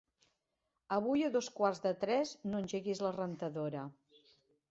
Avui a dos quarts de tres no engeguis la rentadora.